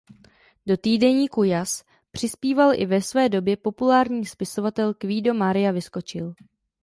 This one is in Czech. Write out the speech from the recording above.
Do týdeníku Jas přispíval i ve své době populární spisovatel Quido Maria Vyskočil.